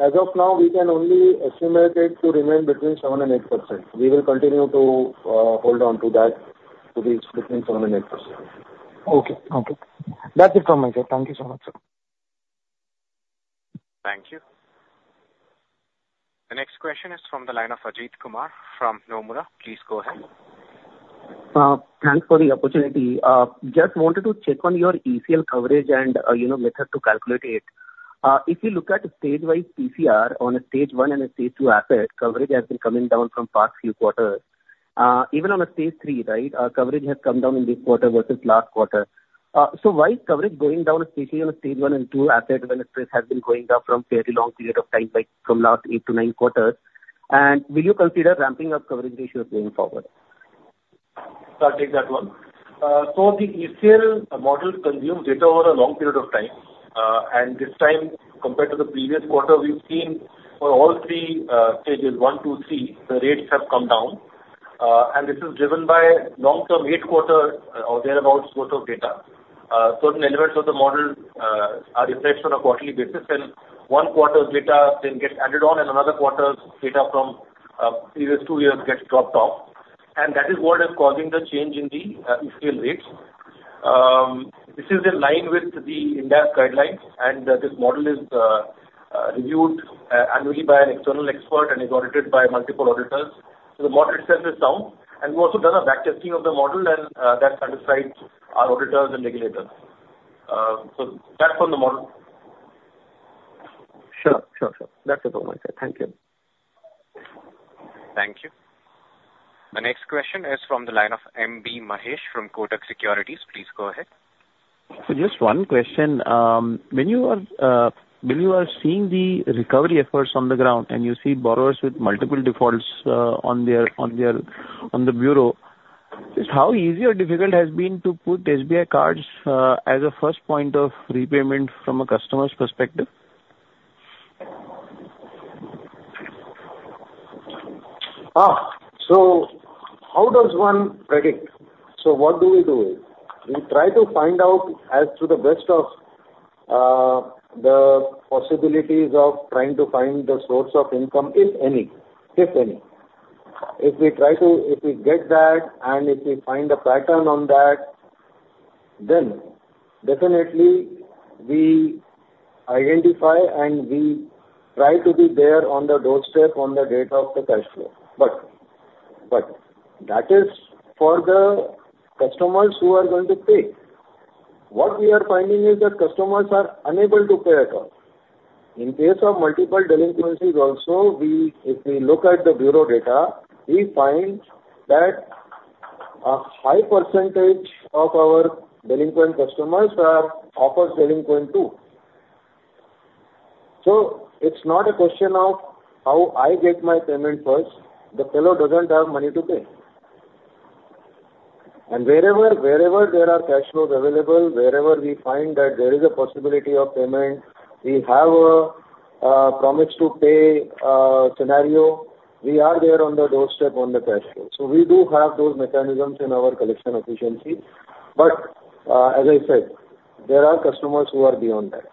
as of now, we can only estimate it to remain between 7% and 8%. We will continue to hold on to that, to be between 7% and 8%. Okay. Okay. That's it from my side. Thank you so much, sir. Thank you. The next question is from the line of Ajit Kumar from Nomura. Please go ahead. Thanks for the opportunity. Just wanted to check on your ECL coverage and, you know, method to calculate it. If you look at stage-wise PCR on a stage one and a stage two asset, coverage has been coming down from past few quarters. Even on a stage three, right, our coverage has come down in this quarter versus last quarter. So why is coverage going down, especially on a stage one and two asset, when the stress has been going up from fairly long period of time, like from last 8-9 quarters? And will you consider ramping up coverage ratios going forward? I'll take that one. So the ECL model consumes data over a long period of time. And this time, compared to the previous quarter, we've seen for all three stages, one, two, three, the rates have come down, and this is driven by long-term eight quarter or thereabout source of data. Certain elements of the model are refreshed on a quarterly basis, and one quarter's data then gets added on, and another quarter's data from previous two years gets dropped off. And that is what is causing the change in the ECL rates. This is in line with the IndAS guidelines, and this model is reviewed annually by an external expert and is audited by multiple auditors. So the model itself is sound. We've also done a backtesting of the model and that satisfies our auditors and regulators. So that's on the model. Sure, sure, sure. That's it from my side. Thank you. Thank you. The next question is from the line of M.B. Mahesh from Kotak Securities. Please go ahead. Just one question. When you are seeing the recovery efforts on the ground, and you see borrowers with multiple defaults on the bureau, just how easy or difficult has been to put SBI Card as a first point of repayment from a customer's perspective? Ah! So how does one predict? So what do we do is, we try to find out as to the best of the possibilities of trying to find the source of income, if any, if any. If we get that, and if we find a pattern on that, then definitely we identify, and we try to be there on the doorstep on the date of the cash flow. But that is for the customers who are going to pay. What we are finding is that customers are unable to pay at all. In case of multiple delinquencies also, we, if we look at the bureau data, we find that a high percentage of our delinquent customers are repeat delinquent, too. So it's not a question of how I get my payment first. The fellow doesn't have money to pay. Wherever, wherever there are cash flows available, wherever we find that there is a possibility of payment, we have a promise to pay scenario. We are there on the doorstep, on the cash flow. So we do have those mechanisms in our collection efficiency, but, as I said, there are customers who are beyond that....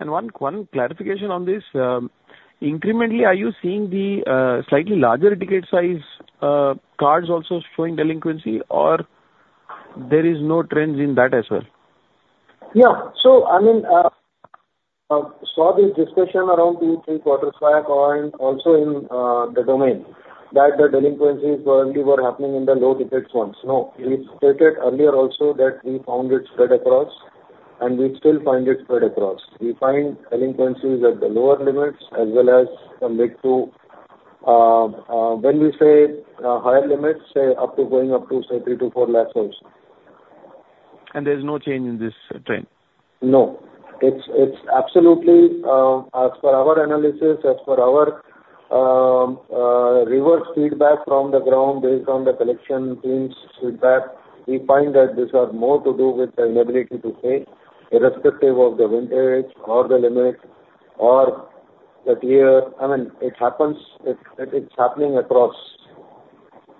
And one clarification on this, incrementally, are you seeing the slightly larger ticket size cards also showing delinquency, or there is no trends in that as well? Yeah. So I mean, saw this discussion around 2-3 quarters back on also in, the domain, that the delinquencies probably were happening in the low-ticket ones. No, we stated earlier also that we found it spread across, and we still find it spread across. We find delinquencies at the lower limits as well as from mid to, when we say, higher limits, say, up to going up to, say, 3 lakh-4 lakh also. There's no change in this trend? No. It's absolutely, as per our analysis, reverse feedback from the ground, based on the collection teams' feedback, we find that these are more to do with the inability to pay, irrespective of the vintage or the limits or the tier. I mean, it happens. It's happening across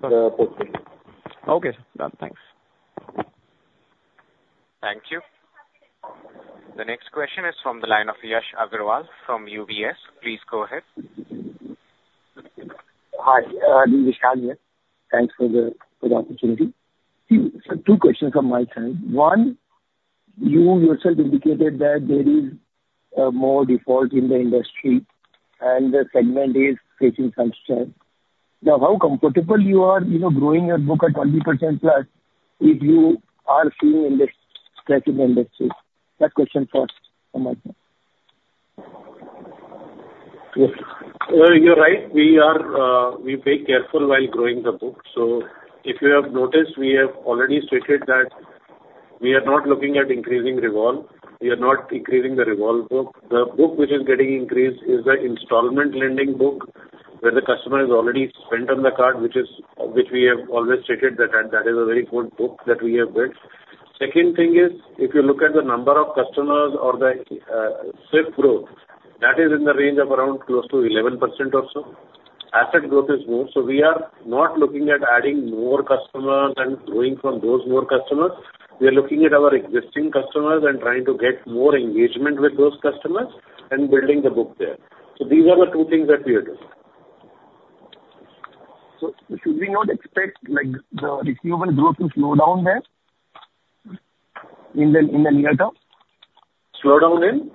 the portfolio. Okay, done. Thanks. Thank you. The next question is from the line of Yash Agarwal from UBS. Please go ahead. Hi, Vishal here. Thanks for the opportunity. Two questions from my side. One, you yourself indicated that there is more default in the industry, and the segment is facing some stress. Now, how comfortable you are, you know, growing your book at 20%+, if you are seeing in this stress in the industry? That question first from my side. Well, you're right. We are very careful while growing the book. So if you have noticed, we have already stated that we are not looking at increasing revolve. We are not increasing the revolve book. The book which is getting increased is the installment lending book, where the customer has already spent on the card, which is, which we have always stated that, that is a very good book that we have built. Second thing is, if you look at the number of customers or the sales growth, that is in the range of around close to 11% or so. Asset growth is more, so we are not looking at adding more customers and growing from those more customers. We are looking at our existing customers and trying to get more engagement with those customers and building the book there. These are the two things that we are doing. Should we not expect, like, the receivable growth to slow down there in the, in the near term? Slow down in?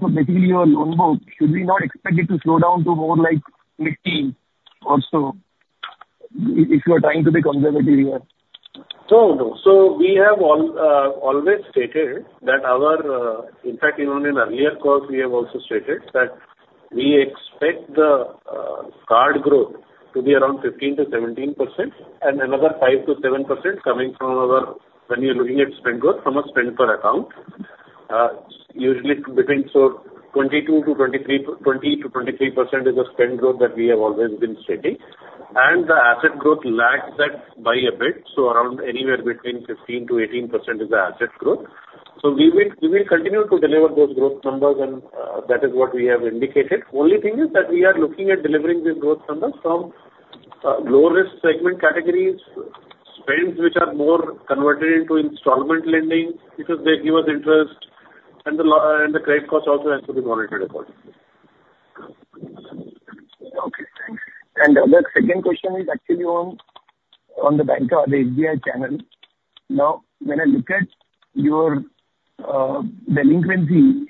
So basically, your loan book, should we not expect it to slow down to more like 15 or so, if you are trying to be conservative here? No, no. So we have always stated that our, in fact, even in earlier calls, we have also stated that we expect the, card growth to be around 15%-17% and another 5%-7% coming from our, when you're looking at spend growth, from a spend per account. Usually between so 22%-23%, 20%-23% is the spend growth that we have always been stating. And the asset growth lags that by a bit, so around anywhere between 15%-18% is the asset growth. So we will, we will continue to deliver those growth numbers, and, that is what we have indicated. Only thing is that we are looking at delivering these growth numbers from, low-risk segment categories, spends which are more converted into installment lending, because they give us interest, and the la... The credit cost also has to be monitored accordingly. Okay, thanks. And the second question is actually on the bank or the SBI channel. Now, when I look at your delinquency,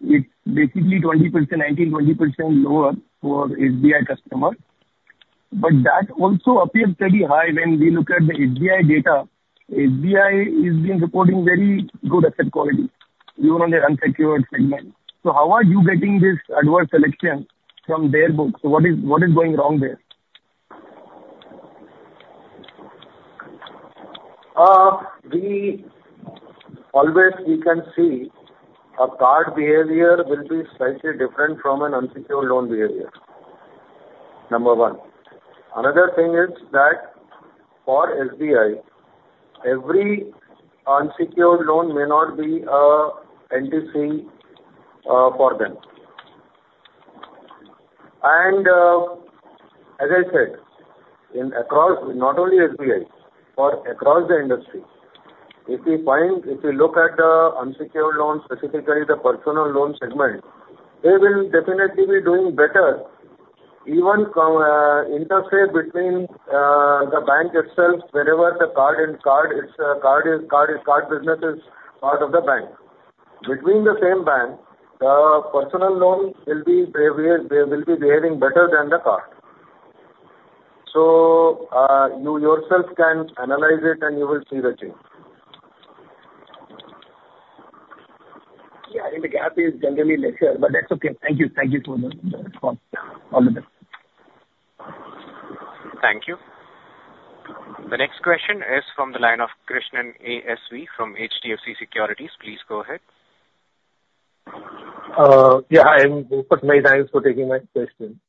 it's basically 20%, 19%-20% lower for SBI customer. But that also appears very high when we look at the SBI data. SBI is being reporting very good asset quality, even on the unsecured segment. So how are you getting this adverse selection from their book? So what is going wrong there? We always we can see a card behavior will be slightly different from an unsecured loan behavior, number one. Another thing is that for SBI, every unsecured loan may not be a NTC, for them. And, as I said, in across, not only SBI, but across the industry, if we find, if you look at the unsecured loans, specifically the personal loan segment, they will definitely be doing better, even from, interface between, the bank itself, wherever the card is, card business is part of the bank. Between the same bank, the personal loans will be behavior, they will be behaving better than the card. So, you yourself can analyze it, and you will see the change. Yeah, I think the gap is generally lesser, but that's okay. Thank you. Thank you so much for the response. All the best. Thank you. The next question is from the line of Krishnan ASV from HDFC Securities. Please go ahead. Yeah, I am Krishnan. Thanks for taking my question.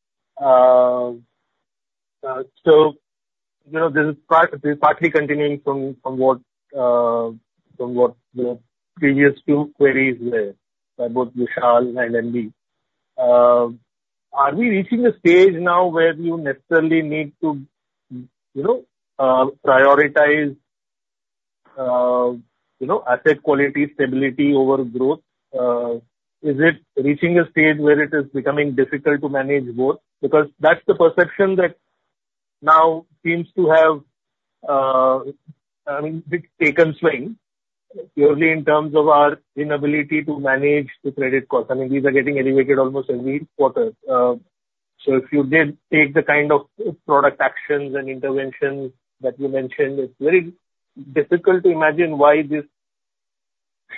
So, you know, this is part, this is partly continuing from, from what, from what the previous two queries were, by both Vishal and Andy.... Are we reaching a stage now where you necessarily need to, you know, prioritize, you know, asset quality, stability over growth? Is it reaching a stage where it is becoming difficult to manage both? Because that's the perception that now seems to have, I mean, bit taken swing, purely in terms of our inability to manage the credit costs. I mean, these are getting elevated almost every quarter. So if you did take the kind of product actions and interventions that you mentioned, it's very difficult to imagine why this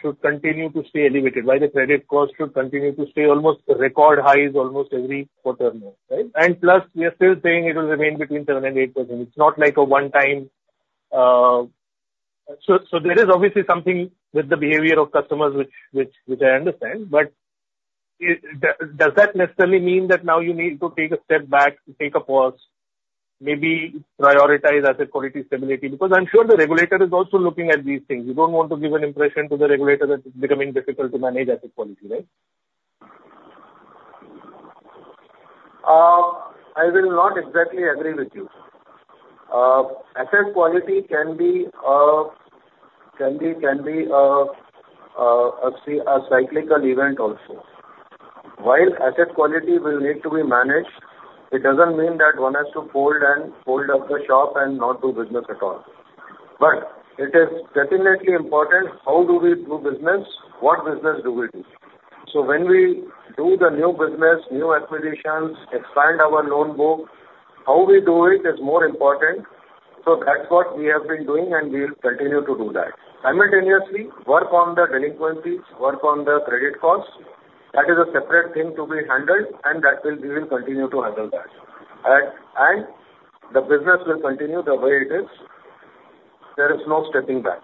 should continue to stay elevated, why the credit costs should continue to stay almost at record highs almost every quarter now, right? And plus, we are still saying it will remain between 7%-8%. It's not like a one time. So there is obviously something with the behavior of customers which I understand. But does that necessarily mean that now you need to take a step back, take a pause, maybe prioritize asset quality, stability? Because I'm sure the regulator is also looking at these things. You don't want to give an impression to the regulator that it's becoming difficult to manage asset quality, right? I will not exactly agree with you. Asset quality can be a cyclical event also. While asset quality will need to be managed, it doesn't mean that one has to fold and fold up the shop and not do business at all. But it is definitely important, how do we do business? What business do we do? So when we do the new business, new acquisitions, expand our loan book, how we do it is more important. So that's what we have been doing, and we will continue to do that. Simultaneously, work on the delinquencies, work on the credit costs. That is a separate thing to be handled, and that will, we will continue to handle that. And the business will continue the way it is. There is no stepping back.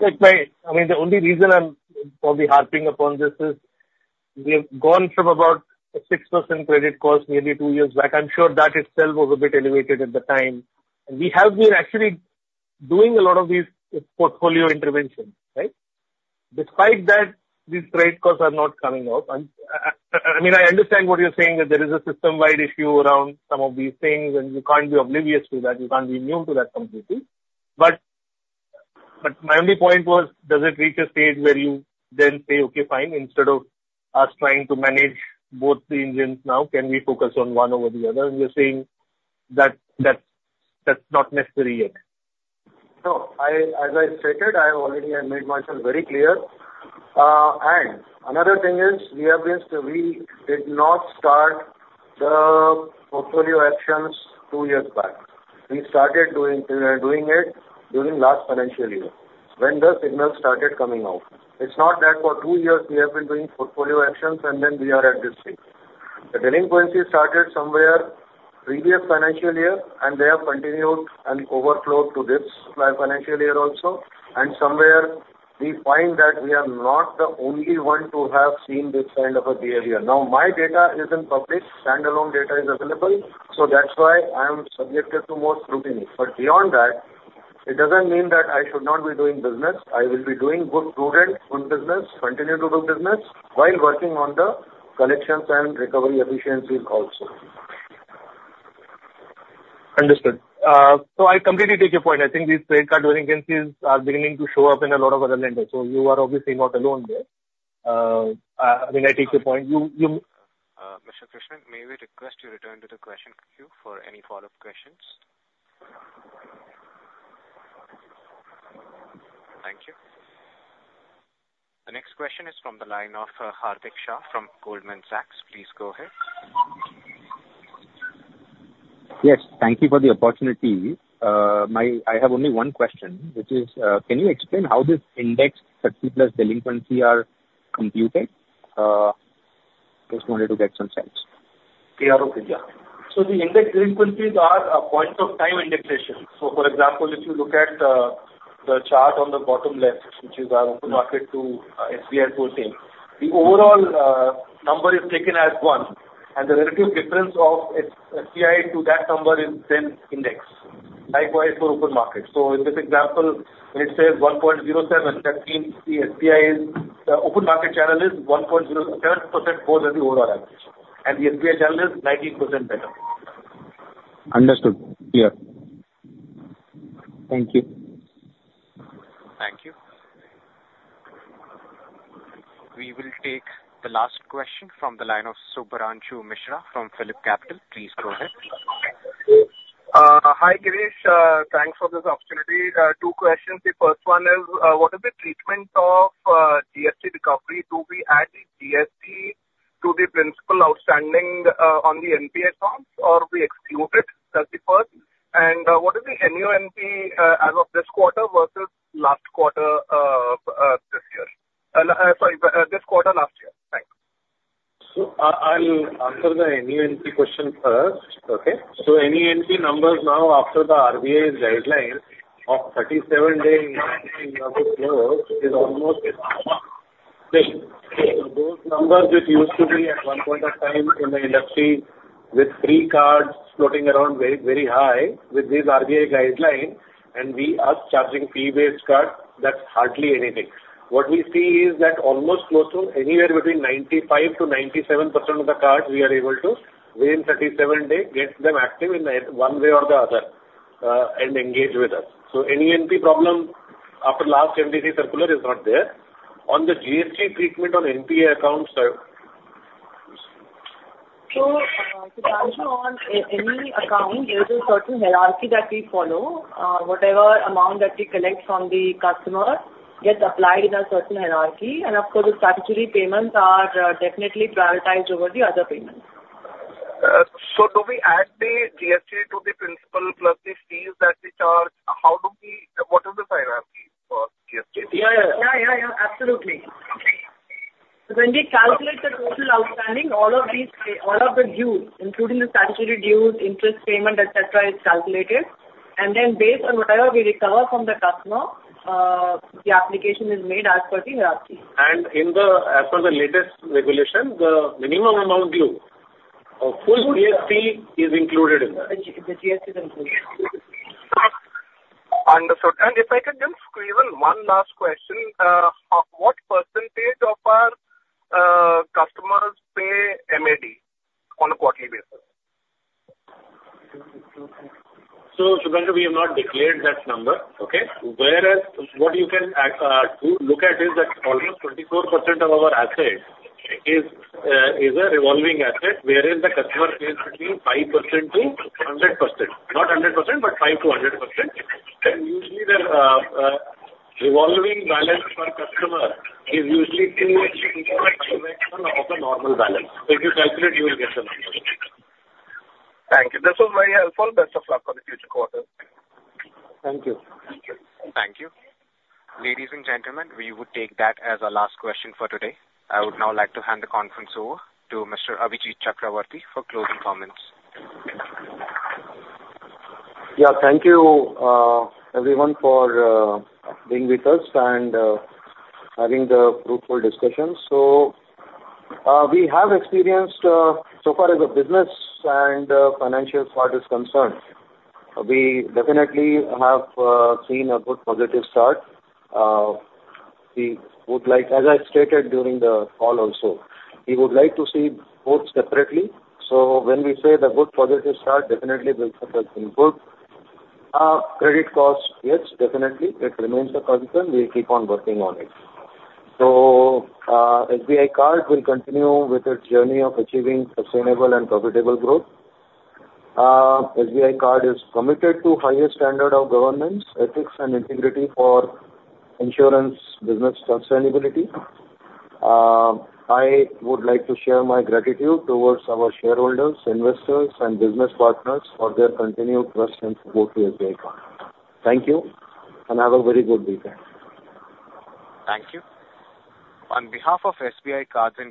Look, I mean, the only reason I'm probably harping upon this is we have gone from about a 6% credit cost nearly two years back. I'm sure that itself was a bit elevated at the time. We have been actually doing a lot of these, portfolio interventions, right? Despite that, these credit costs are not coming up. I'm, I mean, I understand what you're saying, that there is a system-wide issue around some of these things, and you can't be oblivious to that. You can't be new to that completely. But my only point was, does it reach a stage where you then say, "Okay, fine, instead of us trying to manage both the engines now, can we focus on one over the other?" And you're saying that, that's not necessary yet. No, I, as I stated, I already have made myself very clear. And another thing is, we have been, we did not start the portfolio actions two years back. We started doing, doing it during last financial year, when the signals started coming out. It's not that for two years we have been doing portfolio actions, and then we are at this stage. The delinquency started somewhere previous financial year, and they have continued and overflowed to this financial year also. And somewhere we find that we are not the only one to have seen this kind of a behavior. Now, my data is in public, standalone data is available, so that's why I am subjected to more scrutiny. But beyond that, it doesn't mean that I should not be doing business. I will be doing good, prudent good business, continue to do business, while working on the collections and recovery efficiencies also. Understood. So I completely take your point. I think these credit card delinquencies are beginning to show up in a lot of other lenders, so you are obviously not alone there. I mean, I take your point. You, you- Mr. Krishnan, may we request you return to the question queue for any follow-up questions? Thank you. The next question is from the line of Hardik Shah from Goldman Sachs. Please go ahead. Yes, thank you for the opportunity. I have only one question, which is, can you explain how this index 30-plus delinquency are computed? Just wanted to get some sense. Clear. Okay. Yeah. So the indexed delinquencies are a point-in-time indexation. So, for example, if you look at the chart on the bottom left, which is our open market to SBI portion, the overall number is taken as 1, and the relative difference of its TI to that number is then indexed. Likewise, for open market. So in this example, when it says 1.07%, that means the SBI open market channel is 1.07% more than the overall average, and the SBI channel is 19% better. Understood. Clear. Thank you. Thank you. We will take the last question from the line of Shubhranshu Mishra from PhillipCapital. Please go ahead. Hi, Girish. Thanks for this opportunity. Two questions. The first one is, what is the treatment of GST recovery? Do we add the GST to the principal outstanding on the NPA accounts, or we exclude it? That's the first. And, what is the NUNP as of this quarter versus last quarter this year? Sorry, this quarter last year. Thanks. So, I'll answer the NUNP question first. Okay? So NUNP numbers now after the RBI's guidelines of 37 days is almost the same. So those numbers, which used to be at one point of time in the industry with free cards floating around very, very high with these RBI guidelines, and we are charging fee-based card, that's hardly anything. What we see is that almost close to anywhere between 95%-97% of the cards, we are able to, within 37 days, get them active in one way or the other, and engage with us. So any NUNP problem after last RBI circular is not there. On the GST treatment on NUNP accounts? So, on any account, there's a certain hierarchy that we follow. Whatever amount that we collect from the customer gets applied in a certain hierarchy, and of course, the statutory payments are definitely prioritized over the other payments. So do we add the GST to the principal plus the fees that we charge? How do we—what is the hierarchy for GST? Yeah, yeah. Yeah, yeah, yeah, absolutely. Okay. When we calculate the total outstanding, all of these, all of the dues, including the statutory dues, interest payment, et cetera, is calculated, and then based on whatever we recover from the customer, the application is made as per the hierarchy. In the, as per the latest regulation, the minimum amount due or full GST is included in that? The GST is included. Understood. And if I can just squeeze in one last question, what percentage of our customers pay MAD on a quarterly basis? So, Shubhranshu, we have not declared that number, okay? Whereas what you can look at is that almost 24% of our assets is a revolving asset, wherein the customer pays between 5% to 100%. Not 100%, but 5% to 100%. And usually, the revolving balance per customer is usually 2x - 3x of a normal balance. So if you calculate, you will get the number. Thank you. This was very helpful. Best of luck for the future quarters. Thank you. Thank you. Thank you. Ladies and gentlemen, we would take that as our last question for today. I would now like to hand the conference over to Mr. Abhijit Chakravorty for closing comments. Yeah. Thank you, everyone, for being with us and having the fruitful discussion. So, we have experienced, so far as the business and financial part is concerned, we definitely have seen a good positive start. We would like... As I stated during the call also, we would like to see both separately. So when we say the good positive start, definitely will reflect in good credit costs. Yes, definitely, it remains a concern. We keep on working on it. So, SBI Card will continue with its journey of achieving sustainable and profitable growth. SBI Card is committed to highest standard of governance, ethics, and integrity for ensuring business sustainability. I would like to share my gratitude towards our shareholders, investors, and business partners for their continued trust and support to SBI Card. Thank you, and have a very good weekend. Thank you. On behalf of SBI Card and-